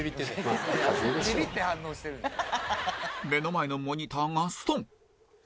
目の前のモニターがストン！